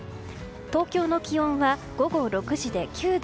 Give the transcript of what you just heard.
東京の気温は、午後６時で９度。